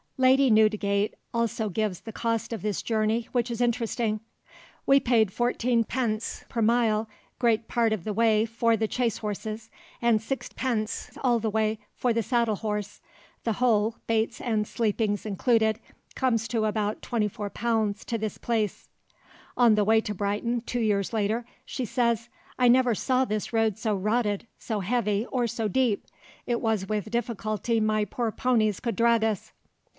Lady Newdigate also gives the cost of this journey, which is interesting: "We paid 14d. per mile great part of the way for the chaisehorses, and 6d. all the way for the saddle horse; the whole, baits and sleepings included, comes to above £24 to this place." On the way to Brighton, two years later, she says, "I never saw this road so rotted, so heavy, or so deep. It was with difficulty my poor poneys could drag us."